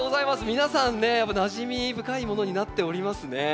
皆さんねやっぱなじみ深いものになっておりますね。